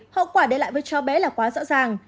với cho bé là quá rõ ràng